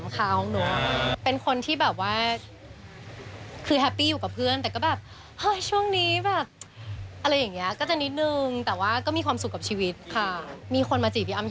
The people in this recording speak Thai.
เคี้ยงว่าโสดผู้แต่พี่อ้ำโสดแบบเนื้อหอมค้าของน้ว